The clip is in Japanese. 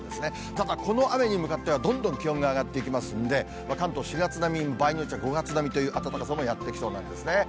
ただ、この雨に向かっては、どんどん気温が上がっていきますので、関東、４月並み、場合によっちゃ、５月並みという暖かさもやって来そうなんですね。